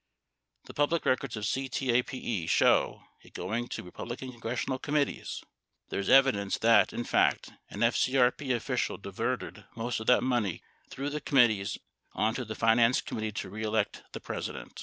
The public records of CTAPE show it going to Bepublican congressional committees ; there is evidence that, in fact, an FCEP official diverted most of that, money through the commit tees on to the Finance Committee To Be Elect the President.